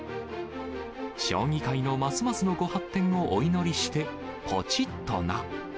将棋界のますますのご発展をお祈りして、ぽちっとな。